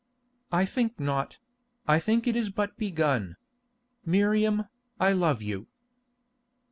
"I think not; I think it is but begun. Miriam, I love you."